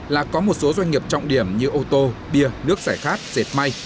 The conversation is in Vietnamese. là có một số doanh nghiệp trọng điểm như ô tô bia nước giải khát dệt may